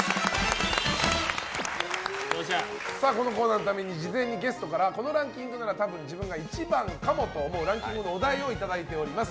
このコーナーのために事前にゲストからこのランキングなら多分、自分が一番かもと思うランキングのお題をいただいております。